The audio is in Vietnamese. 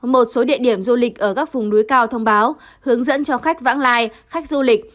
một số địa điểm du lịch ở các vùng núi cao thông báo hướng dẫn cho khách vãng lai khách du lịch